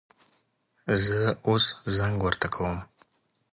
زه اوس زنګ ورته کوم